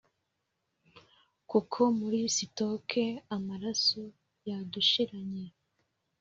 kuko muri sitoke amaraso yadushiranye.